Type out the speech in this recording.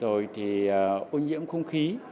rồi thì ô nhiễm không khí